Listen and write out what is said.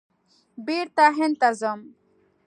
بېرته هند ته ځم !